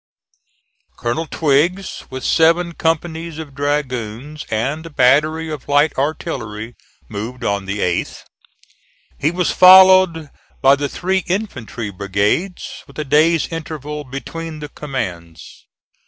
Colonel Twiggs, with seven companies of dragoons and a battery of light artillery, moved on the 8th. He was followed by the three infantry brigades, with a day's interval between the commands.